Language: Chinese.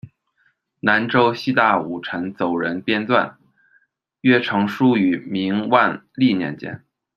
南州西大午辰走人编纂，约成书于明万历年间。